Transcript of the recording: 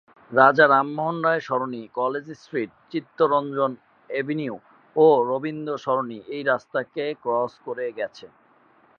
রাজা Rammohan Roy Sarani, College Street, Chittaranjan Avenue ও রবীন্দ্র সরণি এই রাস্তাটিকে ক্রস করে গেছে।